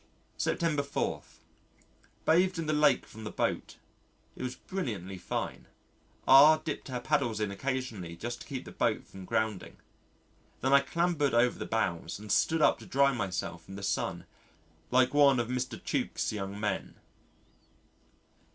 September 4. Bathed in the Lake from the boat. It was brilliantly fine. R dipped her paddles in occasionally just to keep the boat from grounding. Then I clambered over the bows and stood up to dry myself in the sun like one of Mr. Tuke's young men.